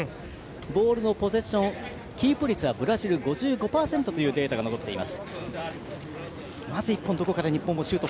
ボールのポゼッションキープ率はブラジル５５％という残っています。